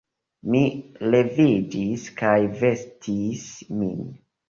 Mi leviĝis kaj vestis min.